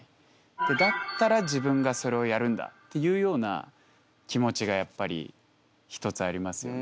だったら自分がそれをやるんだっていうような気持ちがやっぱり一つありますよね。